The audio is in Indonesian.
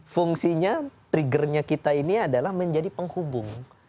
fungsinya triggernya kita ini adalah menjadi penghubung